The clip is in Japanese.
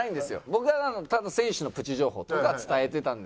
僕はただ選手のプチ情報とか伝えてたんですけど。